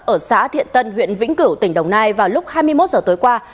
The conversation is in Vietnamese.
ở xã thiện tân huyện vĩnh cửu tỉnh đồng nai vào lúc hai mươi một h tối qua